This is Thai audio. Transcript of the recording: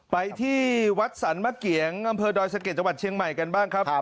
ไปที่วัดสรรมะเกียงอำเภอดอยสะเก็ดจังหวัดเชียงใหม่กันบ้างครับ